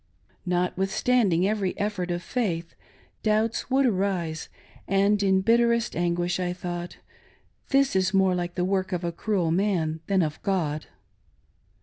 Notwithstanding every effort; of faith, doubts would arise, and in bitterest anguish I thought — this is more like the work of cruel man than of God.